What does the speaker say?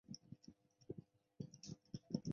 杰克森成为田纳西民兵上校。